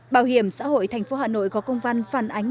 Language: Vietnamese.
bảo hiểm xã hội tp hà nội có công văn phản ánh